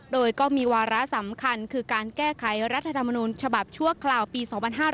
โดยก็มีวาระสำคัญคือการแก้ไขรัฐธรรมนูญฉบับชั่วคราวปี๒๕๕๙